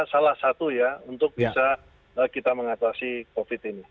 salah satu ya untuk bisa kita mengatasi covid ini